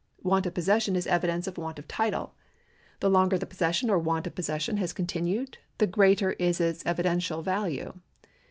Want of possession is evidence of want of title. The longer the possession or want of posses sion has continued, the greater is its evidential value.